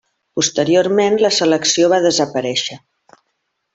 Posteriorment, la selecció va desaparéixer.